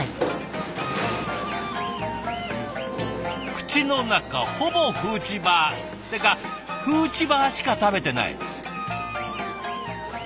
口の中ほぼフーチバー。ってかフーチバーしか食べてない。